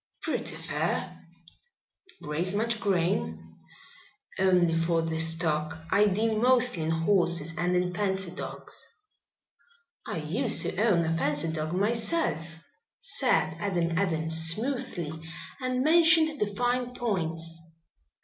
"Pretty fair." "Raise much grain?" "Only for the stock. I deal mostly in horses and in fancy dogs." "I used to own a fancy dog myself," said Adam Adams smoothly and mentioned the fine points.